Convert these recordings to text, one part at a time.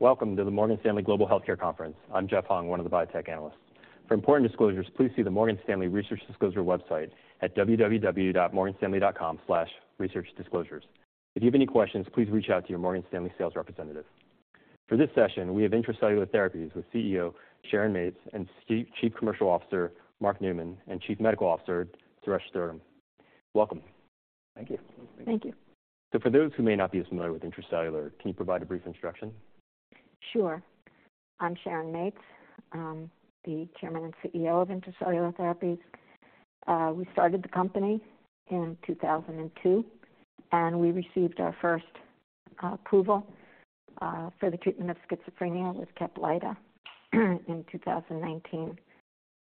Welcome to the Morgan Stanley Global Healthcare Conference. I'm Jeff Hung, one of the biotech analysts. For important disclosures, please see the Morgan Stanley Research Disclosure website at www.morganstanley.com/researchdisclosures. If you have any questions, please reach out to your Morgan Stanley sales representative. For this session, we have Intra-Cellular Therapies with CEO Sharon Mates and Chief Commercial Officer, Mark Neumann, and Chief Medical Officer, Suresh Durgam. Welcome. Thank you. Thank you. For those who may not be as familiar with Intra-Cellular, can you provide a brief introduction? Sure. I'm Sharon Mates, the Chairman and CEO of Intra-Cellular Therapies. We started the company in 2002, and we received our first approval for the treatment of schizophrenia with Caplyta in 2019.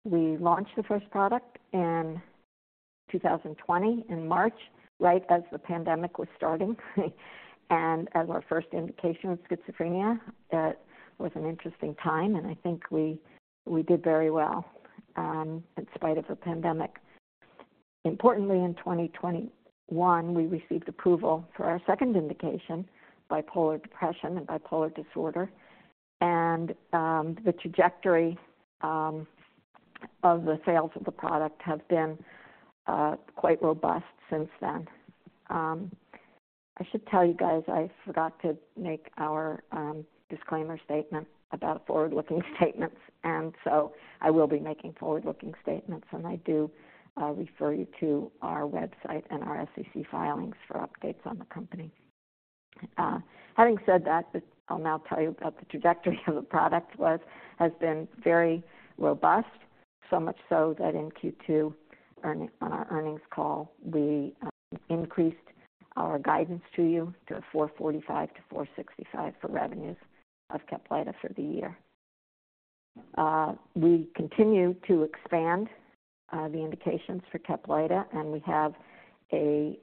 We launched the first product in 2020, in March, right as the pandemic was starting, and as our first indication with schizophrenia. That was an interesting time, and I think we did very well in spite of the pandemic. Importantly, in 2021, we received approval for our second indication, bipolar depression and bipolar disorder, and the trajectory of the sales of the product have been quite robust since then. I should tell you guys, I forgot to make our disclaimer statement about forward-looking statements, and so I will be making forward-looking statements, and I do refer you to our website and our SEC filings for updates on the company. Having said that, I'll now tell you that the trajectory of the product has been very robust. So much so that in Q2, on our earnings call, we increased our guidance to you to $445 million-$465 million for revenues of Caplyta for the year. We continue to expand the indications for Caplyta, and we have a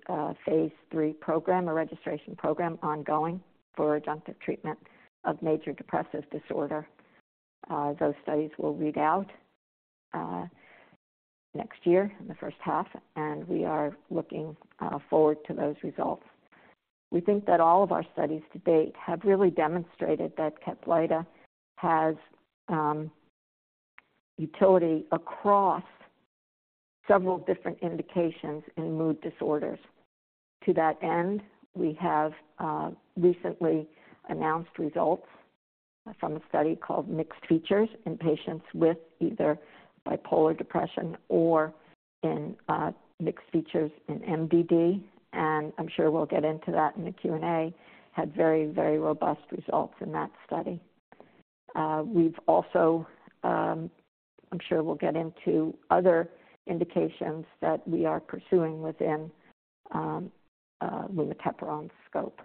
Phase III program, a registration program, ongoing for adjunctive treatment of major depressive disorder. Those studies will read out next year in the first half, and we are looking forward to those results. We think that all of our studies to date have really demonstrated that Caplyta has utility across several different indications in mood disorders. To that end, we have recently announced results from a study called mixed features in patients with either bipolar depression or in mixed features in MDD, and I'm sure we'll get into that in the Q&A. Had very, very robust results in that study. We've also, I'm sure, we'll get into other indications that we are pursuing within the lumateperone scope.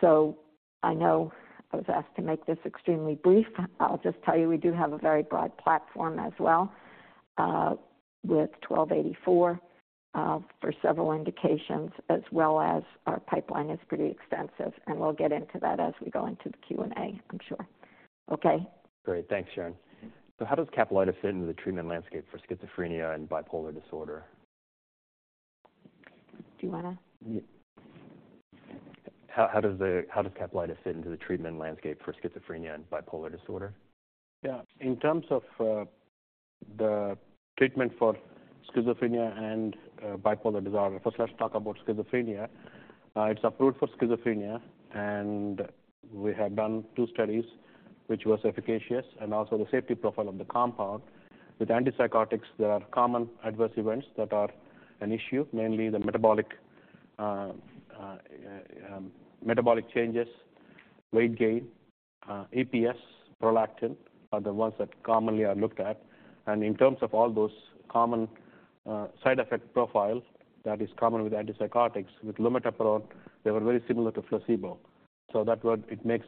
So I know I was asked to make this extremely brief. I'll just tell you, we do have a very broad platform as well with ITI-1284 for several indications, as well as our pipeline is pretty extensive, and we'll get into that as we go into the Q&A, I'm sure. Okay. Great. Thanks, Sharon. So how does Caplyta fit into the treatment landscape for schizophrenia and bipolar disorder? Do you wanna? Yeah. How does Caplyta fit into the treatment landscape for schizophrenia and bipolar disorder? Yeah. In terms of the treatment for schizophrenia and bipolar disorder, first, let's talk about schizophrenia. It's approved for schizophrenia, and we have done two studies, which was efficacious, and also the safety profile of the compound. With antipsychotics, there are common adverse events that are an issue, mainly the metabolic changes, weight gain, EPS, prolactin, are the ones that commonly are looked at. And in terms of all those common side effect profile that is common with antipsychotics, with lumateperone, they were very similar to placebo. So that what it makes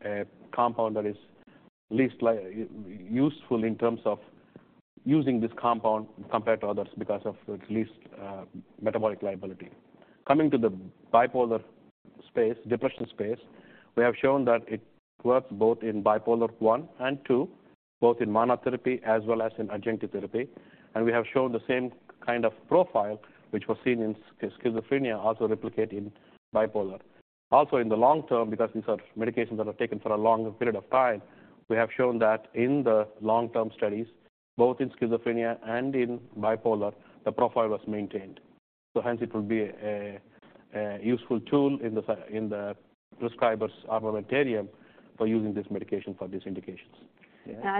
a compound that is least useful in terms of using this compound compared to others because of its least metabolic liability. Coming to the bipolar space, depression space, we have shown that it works both in bipolar I and II, both in monotherapy as well as in adjunctive therapy. We have shown the same kind of profile which was seen in schizophrenia, also replicate in bipolar. Also, in the long term, because these are medications that are taken for a longer period of time, we have shown that in the long-term studies, both in schizophrenia and in bipolar, the profile was maintained. Hence, it will be a useful tool in the prescriber's armamentarium for using this medication for these indications. I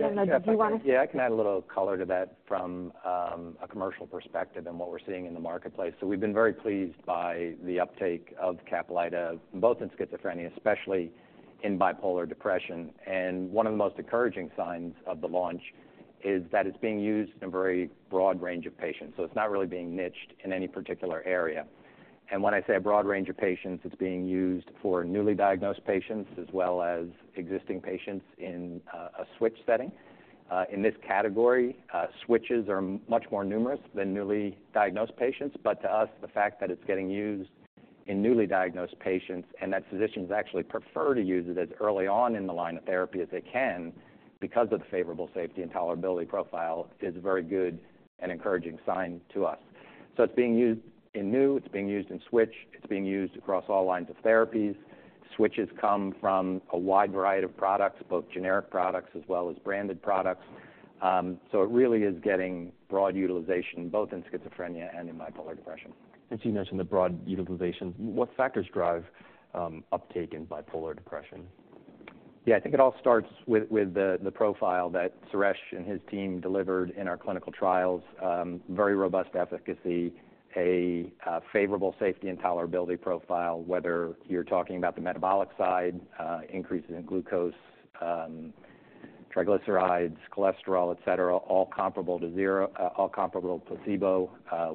don't know if you want to. Yeah, I can add a little color to that from a commercial perspective and what we're seeing in the marketplace. So we've been very pleased by the uptake of Caplyta, both in schizophrenia, especially in bipolar depression. And one of the most encouraging signs of the launch is that it's being used in a very broad range of patients, so it's not really being niched in any particular area. And when I say a broad range of patients, it's being used for newly diagnosed patients as well as existing patients in a switch setting. In this category, switches are much more numerous than newly diagnosed patients. But to us, the fact that it's getting used in newly diagnosed patients and that physicians actually prefer to use it as early on in the line of therapy as they can because of the favorable safety and tolerability profile, is a very good and encouraging sign to us. So it's being used in new, it's being used in switch, it's being used across all lines of therapies. Switches come from a wide variety of products, both generic products as well as branded products, so it really is getting broad utilization, both in schizophrenia and in bipolar depression. As you mentioned, the broad utilization, what factors drive uptake in bipolar depression? Yeah, I think it all starts with the profile that Suresh and his team delivered in our clinical trials. Very robust efficacy, a favorable safety and tolerability profile, whether you're talking about the metabolic side, increases in glucose, triglycerides, cholesterol, etc., all comparable to placebo.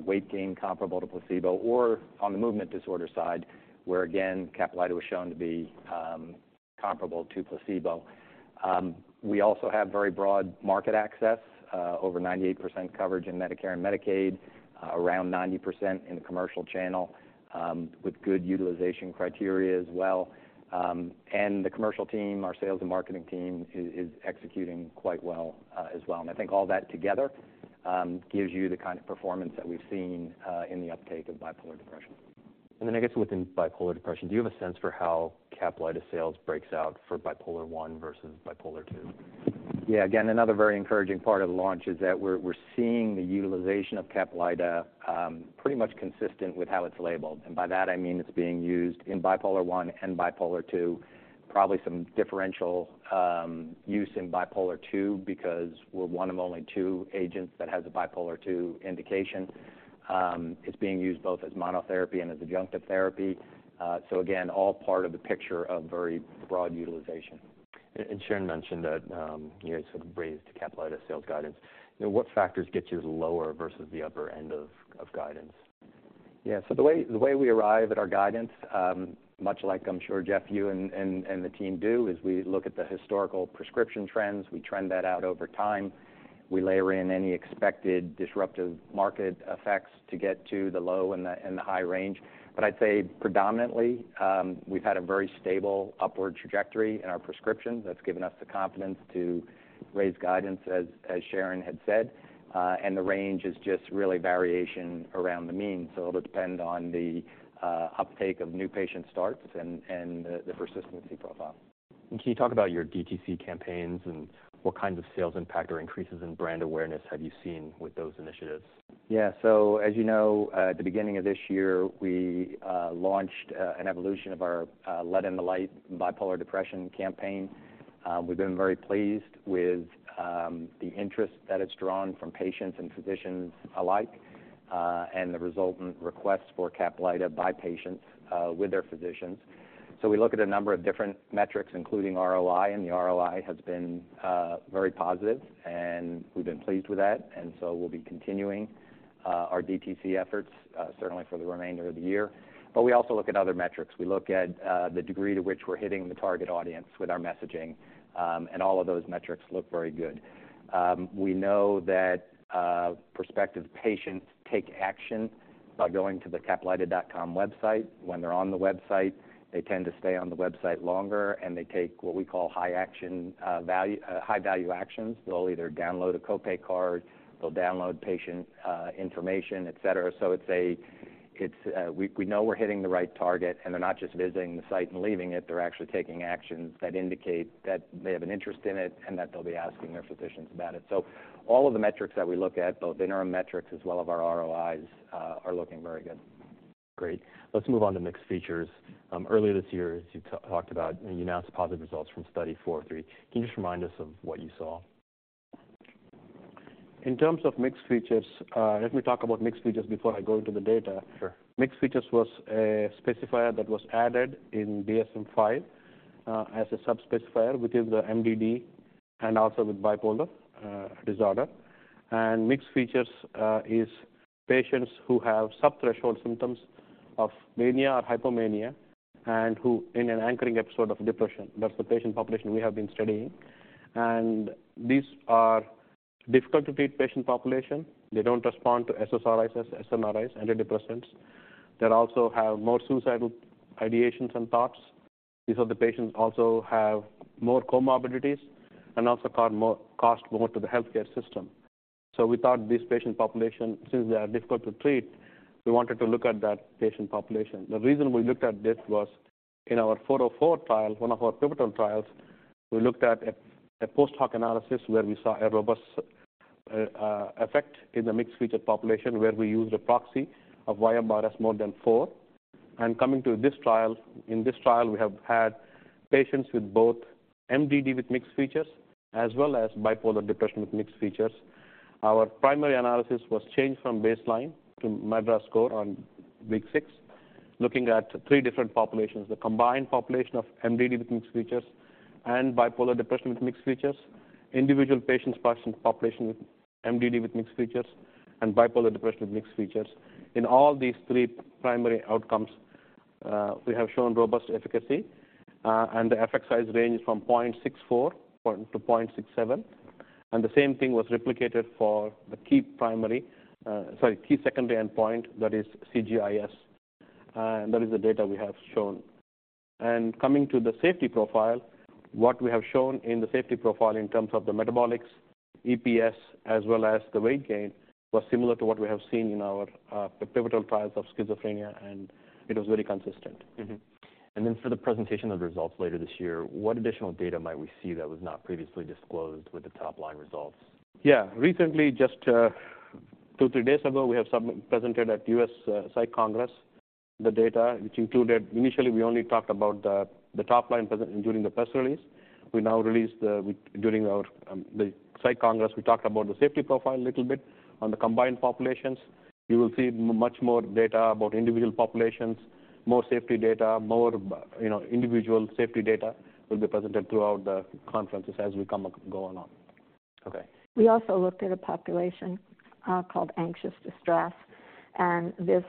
Weight gain comparable to placebo, or on the movement disorder side, where again, Caplyta was shown to be comparable to placebo. We also have very broad market access, over 98% coverage in Medicare and Medicaid, around 90% in the commercial channel, with good utilization criteria as well. And the commercial team, our sales and marketing team is executing quite well, as well. I think all that together gives you the kind of performance that we've seen in the uptake of bipolar depression. Then I guess within bipolar depression, do you have a sense for how Caplyta sales breaks out for bipolar I versus bipolar II? Yeah. Again, another very encouraging part of the launch is that we're seeing the utilization of Caplyta pretty much consistent with how it's labeled. And by that I mean, it's being used in bipolar I and bipolar II, probably some differential use in bipolar II because we're one of only two agents that has a bipolar II indication. It's being used both as monotherapy and as adjunctive therapy. So again, all part of the picture of very broad utilization. Sharon mentioned that, you know, sort of raised Caplyta sales guidance. You know, what factors get you the lower versus the upper end of guidance? Yeah. So the way we arrive at our guidance, much like I'm sure, Jeff, you and the team do, is we look at the historical prescription trends. We trend that out over time. We layer in any expected disruptive market effects to get to the low and the high range. But I'd say predominantly, we've had a very stable upward trajectory in our prescription. That's given us the confidence to raise guidance as Sharon had said. And the range is just really variation around the mean. So it'll depend on the uptake of new patient starts and the persistency profile. Can you talk about your DTC campaigns, and what kind of sales impact or increases in brand awareness have you seen with those initiatives? Yeah. So as you know, at the beginning of this year, we launched an evolution of our Let in the Lyte bipolar depression campaign. We've been very pleased with the interest that it's drawn from patients and physicians alike, and the resultant requests for Caplyta by patients with their physicians. So we look at a number of different metrics, including ROI, and the ROI has been very positive, and we've been pleased with that, and so we'll be continuing our DTC efforts certainly for the remainder of the year. But we also look at other metrics. We look at the degree to which we're hitting the target audience with our messaging, and all of those metrics look very good. We know that prospective patients take action by going to the Caplyta.com website. When they're on the website, they tend to stay on the website longer, and they take what we call high value actions. They'll either download a co-pay card, they'll download patient information, etc.. It's a, we know we're hitting the right target, and they're not just visiting the site and leaving it, they're actually taking actions that indicate that they have an interest in it and that they'll be asking their physicians about it. All of the metrics that we look at, both the neuro metrics as well as our ROIs, are looking very good. Great. Let's move on to mixed features. Earlier this year, as you talked about, and you announced positive results from Study 403. Can you just remind us of what you saw? In terms of mixed features, let me talk about mixed features before I go into the data. Sure. Mixed features was a specifier that was added in DSM-5 as a sub-specifier within the MDD and also with bipolar disorder. Mixed features is patients who have subthreshold symptoms of mania or hypomania and who in an anchoring episode of depression. That's the patient population we have been studying. These are difficult to treat patient population. They don't respond to SSRIs, SNRI antidepressants. They also have more suicidal ideations and thoughts. These are the patients who also have more comorbidities and also cost more, cost more to the healthcare system. So we thought this patient population, since they are difficult to treat, we wanted to look at that patient population. The reason we looked at this was in our Study 404 trial, one of our pivotal trials, we looked at a post-hoc analysis where we saw a robust effect in the mixed feature population, where we used a proxy of YMRS more than 4. And coming to this trial, in this trial, we have had patients with both MDD with mixed features, as well as bipolar depression with mixed features. Our primary analysis was changed from baseline to MADRS score on week six, looking at three different populations: the combined population of MDD with mixed features and bipolar depression with mixed features, individual patients, patient population with MDD with mixed features, and bipolar depression with mixed features. In all these three primary outcomes, we have shown robust efficacy, and the effect size ranges from 0.64 to 0.67, and the same thing was replicated for the key primary, sorry, key secondary endpoint, that is CGI-S, and that is the data we have shown. Coming to the safety profile, what we have shown in the safety profile in terms of the metabolics, EPS, as well as the weight gain, was similar to what we have seen in our, the pivotal trials of schizophrenia, and it was very consistent. And then for the presentation of the results later this year, what additional data might we see that was not previously disclosed with the top-line results? Yeah. Recently, just two, three days ago, we have some presented at U.S. Psych Congress, the data, which included initially, we only talked about the, the top line present during the press release. We now released the, during our, the Psych Congress, we talked about the safety profile a little bit on the combined populations. You will see much more data about individual populations, more safety data, more, you know, individual safety data will be presented throughout the conferences as we come up going on. Okay. We also looked at a population called anxious distress, and this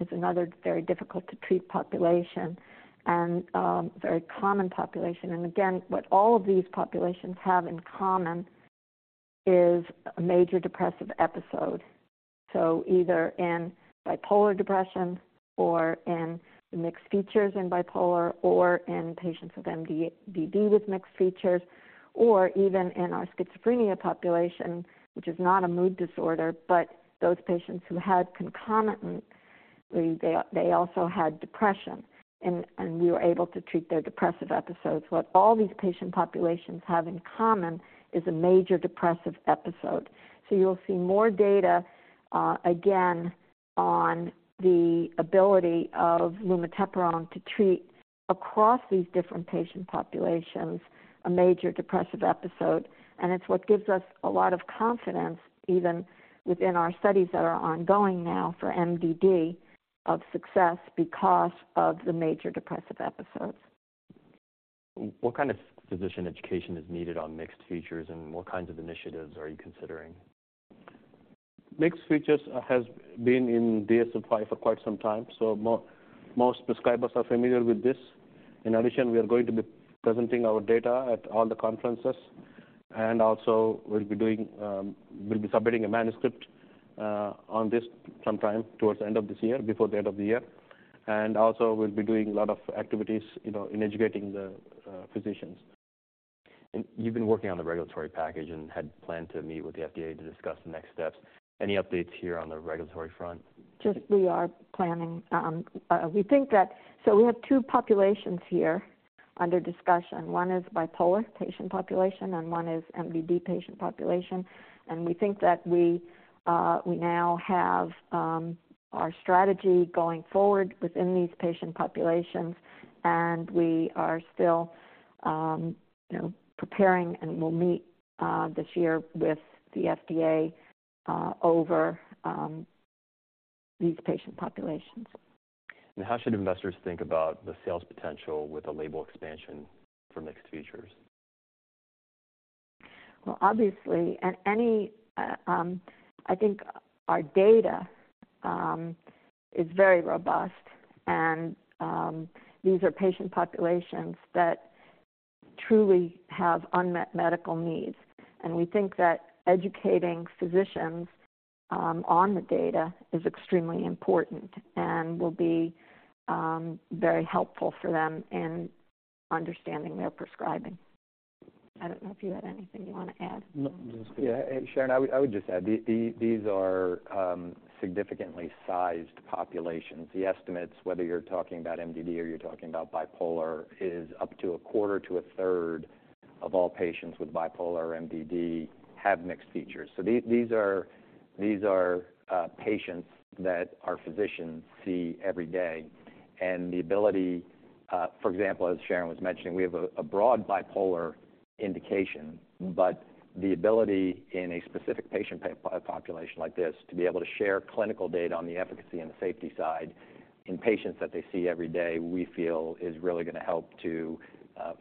is another very difficult to treat population and very common population. And again, what all of these populations have in common is a major depressive episode. So either in bipolar depression or in the mixed features in bipolar, or in patients with MDD with mixed features, or even in our schizophrenia population, which is not a mood disorder, but those patients who had concomitant, they also had depression, and we were able to treat their depressive episodes. What all these patient populations have in common is a major depressive episode. So you'll see more data, again, on the ability of lumateperone to treat across these different patient populations, a major depressive episode, and it's what gives us a lot of confidence, even within our studies that are ongoing now for MDD of success because of the major depressive episodes. What kind of physician education is needed on mixed features, and what kinds of initiatives are you considering? Mixed features has been in DSM-5 for quite some time, so most prescribers are familiar with this. In addition, we are going to be presenting our data at all the conferences, and also we'll be doing, we'll be submitting a manuscript, on this sometime towards the end of this year, before the end of the year. And also we'll be doing a lot of activities, you know, in educating the, physicians. You've been working on the regulatory package and had planned to meet with the FDA to discuss the next steps. Any updates here on the regulatory front? Just we are planning. So we have two populations here under discussion. One is bipolar patient population, and one is MDD patient population, and we think that we now have our strategy going forward within these patient populations, and we are still, you know, preparing, and we'll meet this year with the FDA over these patient populations. How should investors think about the sales potential with a label expansion for mixed features? Well, obviously, I think our data is very robust and these are patient populations that truly have unmet medical needs. We think that educating physicians on the data is extremely important and will be very helpful for them in understanding their prescribing. I don't know if you had anything you want to add. No. Yeah. And Sharon, I would just add, these are significantly sized populations. The estimates, whether you're talking about MDD or you're talking about bipolar, is up to 1/4 to 1/3 of all patients with bipolar MDD have mixed features. So these are patients that our physicians see every day. And the ability, for example, as Sharon was mentioning, we have a broad bipolar indication, but the ability in a specific patient population like this to be able to share clinical data on the efficacy and the safety side in patients that they see every day, we feel is really going to help to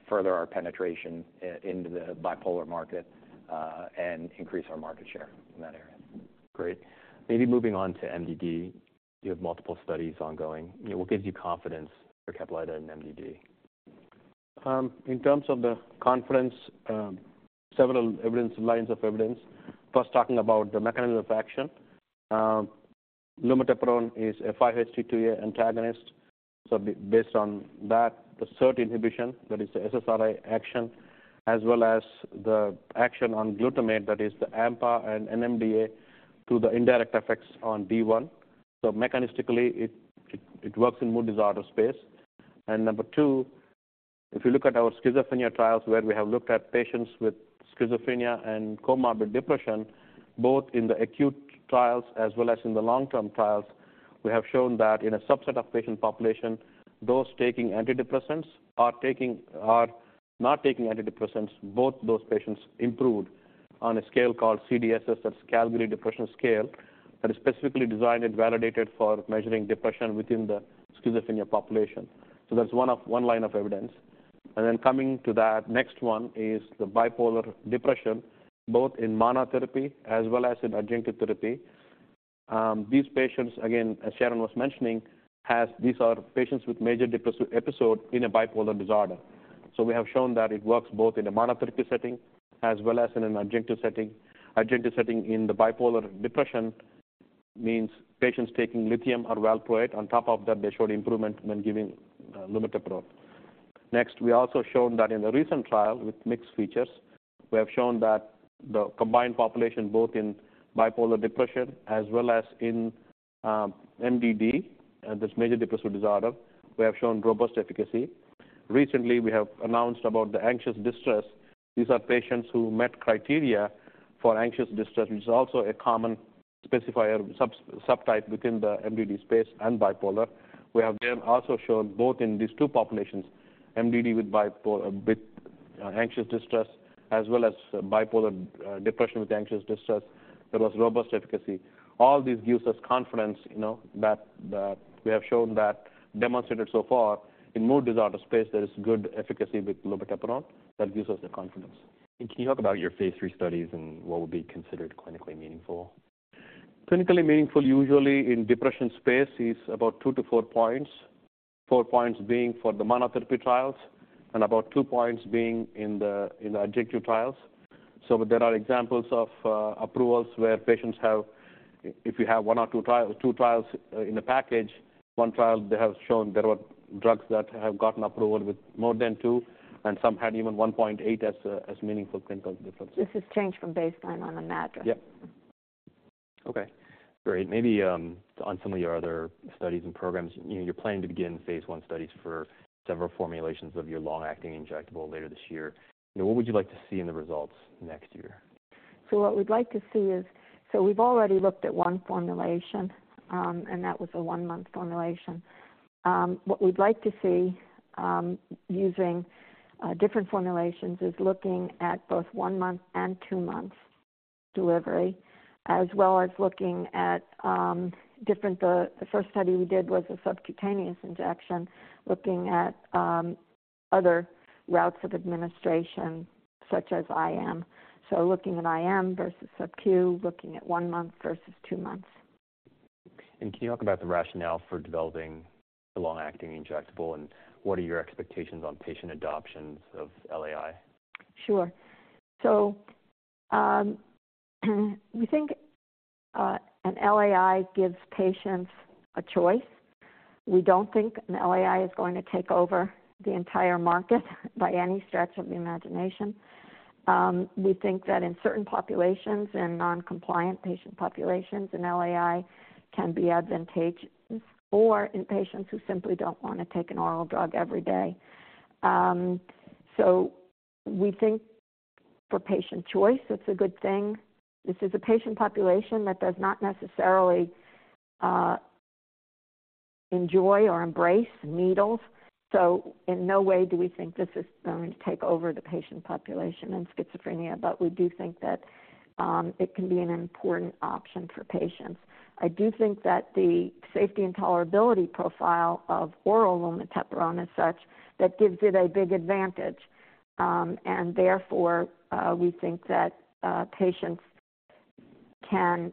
further our penetration into the bipolar market and increase our market share in that area. Great. Maybe moving on to MDD, you have multiple studies ongoing. What gives you confidence for Caplyta in MDD? In terms of the confidence, several lines of evidence. First, talking about the mechanism of action. Lumateperone is a 5-HT2A antagonist. So based on that, the SERT inhibition, that is the SSRI action, as well as the action on glutamate, that is the AMPA and NMDA, through the indirect effects on D1. So mechanistically, it works in mood disorder space. And number two, if you look at our schizophrenia trials, where we have looked at patients with schizophrenia and comorbid depression, both in the acute trials as well as in the long-term trials, we have shown that in a subset of patient population, those taking antidepressants, are not taking antidepressants. Both those patients improved on a scale called CDSS, that's Calgary Depression Scale, that is specifically designed and validated for measuring depression within the schizophrenia population. So that's one of, one line of evidence. And then coming to that, next one is the bipolar depression, both in monotherapy as well as in adjunctive therapy. These patients, again, as Sharon was mentioning, has these are patients with major depressive episode in a bipolar disorder. So we have shown that it works both in a monotherapy setting as well as in an adjunctive setting. Adjunctive setting in the bipolar depression means patients taking lithium or valproate. On top of that, they showed improvement when giving lumateperone. Next, we also shown that in the recent trial with mixed features, we have shown that the combined population, both in bipolar depression as well as in MDD, that's major depressive disorder, we have shown robust efficacy. Recently, we have announced about the anxious distress. These are patients who met criteria for anxious distress, which is also a common specifier subtype within the MDD space and bipolar. We have then also shown both in these two populations, MDD with bipolar, with anxious distress, as well as bipolar depression with anxious distress. There was robust efficacy. All this gives us confidence, you know, that, that we have shown that, demonstrated so far, in mood disorder space, there is good efficacy with lumateperone. That gives us the confidence. Can you talk about your Phase III studies and what would be considered clinically meaningful? Clinically meaningful, usually in depression space, is about 2-4 points. 4 points being for the monotherapy trials and about 2 points being in the adjunctive trials. So there are examples of approvals where patients have, if you have one or two trials in the package, one trial they have shown there were drugs that have gotten approval with more than 2, and some had even 1.8 as meaningful clinical difference. This has changed from baseline on the MADRS. Yep. Okay, great. Maybe on some of your other studies and programs, you're planning to begin Phase I studies for several formulations of your long-acting injectable later this year. What would you like to see in the results next year? So what we'd like to see is, so we've already looked at one formulation, and that was a one-month formulation. What we'd like to see, using different formulations, is looking at both one month and two months delivery, as well as looking at different, the first study we did was a subcutaneous injection, looking at other routes of administration, such as IM. So looking at IM versus subQ, looking at one month versus two months. Can you talk about the rationale for developing the long-acting injectable, and what are your expectations on patient adoptions of LAI? Sure. So, we think an LAI gives patients a choice. We don't think an LAI is going to take over the entire market by any stretch of the imagination. We think that in certain populations, in noncompliant patient populations, an LAI can be advantageous or in patients who simply don't want to take an oral drug every day. So, we think for patient choice, it's a good thing. This is a patient population that does not necessarily enjoy or embrace needles. So in no way do we think this is going to take over the patient population in schizophrenia, but we do think that it can be an important option for patients. I do think that the safety and tolerability profile of oral lumateperone is such that gives it a big advantage. And therefore, we think that patients can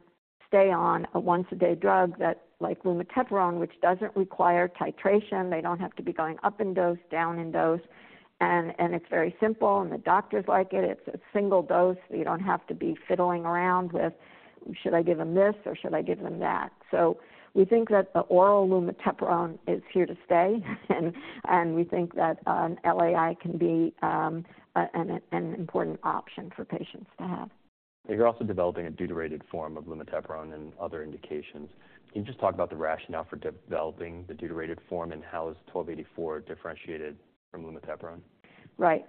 stay on a once-a-day drug that, like lumateperone, which doesn't require titration. They don't have to be going up in dose, down in dose, and it's very simple and the doctors like it. It's a single dose, so you don't have to be fiddling around with, "Should I give them this, or should I give them that?" So we think that the oral lumateperone is here to stay, and we think that LAI can be an important option for patients to have. You're also developing a deuterated form of lumateperone in other indications. Can you just talk about the rationale for developing the deuterated form, and how is ITI-1284 differentiated from lumateperone? Right.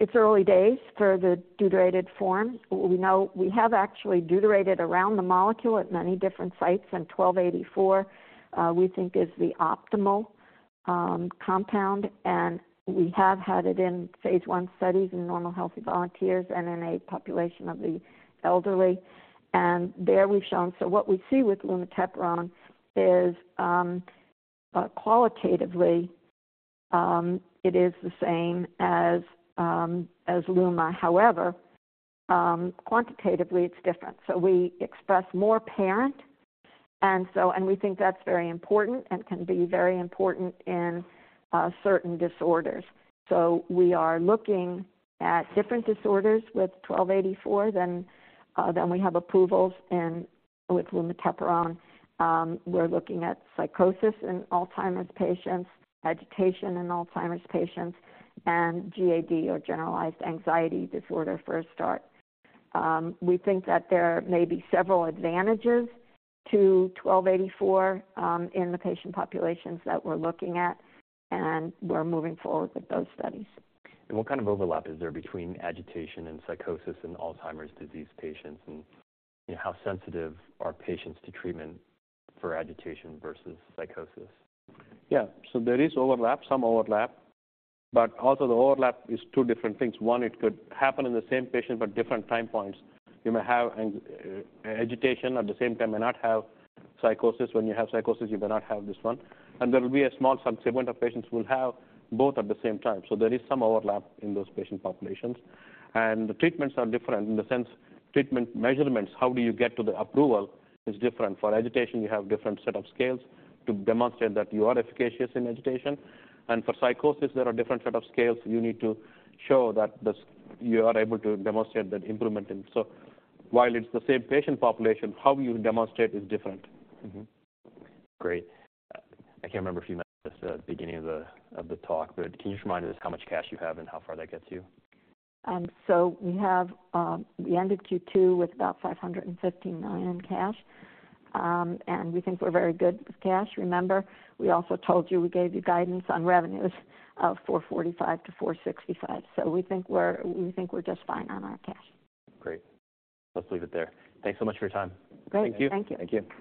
It's early days for the deuterated form. We know we have actually deuterated around the molecule at many different sites, and ITI-1284, we think, is the optimal compound. We have had it in phase I studies in normal, healthy volunteers and in a population of the elderly. There we've shown, what we see with lumateperone is, qualitatively, it is the same as Luma. However, quantitatively, it's different. We express more parent, and we think that's very important and can be very important in certain disorders. We are looking at different disorders with ITI-1284 than we have approvals in with lumateperone. We're looking at psychosis in Alzheimer's patients, agitation in Alzheimer's patients, and GAD, or generalized anxiety disorder, for a start. We think that there may be several advantages to ITI-1284, in the patient populations that we're looking at, and we're moving forward with those studies. What kind of overlap is there between agitation and psychosis in Alzheimer's disease patients? And, you know, how sensitive are patients to treatment for agitation versus psychosis? Yeah. So there is overlap, some overlap, but also the overlap is two different things. One, it could happen in the same patient but different time points. You may have an agitation at the same time, may not have psychosis. When you have psychosis, you may not have this one. And there will be a small segment of patients who will have both at the same time. So there is some overlap in those patient populations. And the treatments are different in the sense treatment measurements. How do you get to the approval is different. For agitation, you have different set of scales to demonstrate that you are efficacious in agitation. And for psychosis, there are different set of scales you need to show that this, you are able to demonstrate that improvement. And so while it's the same patient population, how you demonstrate is different. Great. I can't remember if you mentioned this at the beginning of the talk, but can you just remind us how much cash you have and how far that gets you? So we ended Q2 with about $550 million in cash. And we think we're very good with cash. Remember, we also told you, we gave you guidance on revenues of $445 million-$465 million. So we think we're just fine on our cash. Great. Let's leave it there. Thanks so much for your time. Great. Thank you. Thank you. Thank you.